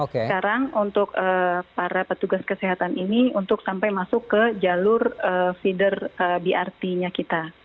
sekarang untuk para petugas kesehatan ini untuk sampai masuk ke jalur feeder brt nya kita